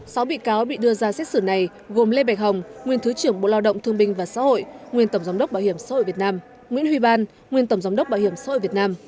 sáu bị cáo bị đưa ra xét xử này gồm lê bạch hồng nguyên thứ trưởng bộ lao động thương binh và xã hội nguyên tổng giám đốc bảo hiểm xã hội việt nam nguyễn huy ban nguyên tổng giám đốc bảo hiểm xã hội việt nam